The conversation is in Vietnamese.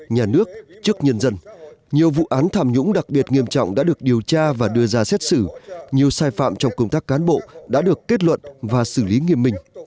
nhà nước trước nhân dân nhiều vụ án tham nhũng đặc biệt nghiêm trọng đã được điều tra và đưa ra xét xử nhiều sai phạm trong công tác cán bộ đã được kết luận và xử lý nghiêm minh